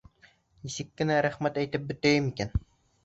Нисек кенә рәхмәт әйтеп бөтәйем икән?